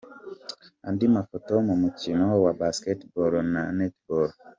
Andi mafoto mu mukino wa Baketball na Netball.